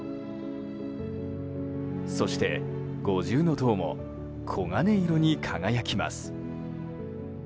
そして、五重塔も黄金色に輝きます。